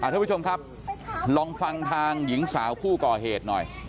คุณผู้ชมครับลองฟังทางหญิงสาวผู้ก่อเชต